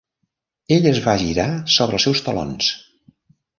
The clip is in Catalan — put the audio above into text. Ell es va girar sobre els seus talons.